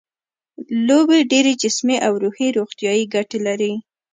لوبې ډېرې جسمي او روحي روغتیايي ګټې لري.